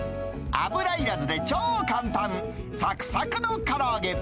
油いらずで超簡単、さくさくのから揚げ。